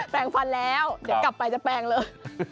แปลงฟันแล้วเดี๋ยวกลับไปจะแปลงเลย